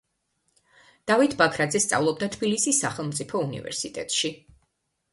დავით ბაქრაძე სწავლობდა თბილისის სახელმწიფო უნივერსიტეტში.